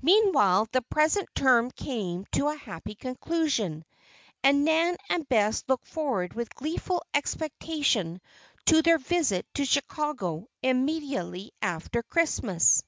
Meanwhile the present term came to a happy conclusion, and Nan and Bess looked forward with gleeful expectation to their visit to Chicago immediately after Christmas.